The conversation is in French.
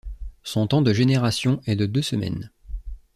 Son temps de génération est de deux semaines.